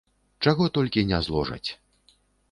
Чаго толькі не зложаць.